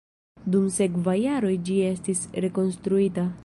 Dum sekvaj jaroj ĝi estis rekonstruita.